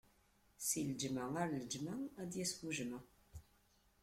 Si leǧmaɛ ar leǧmaɛ, ad d-yas bujmaɛ.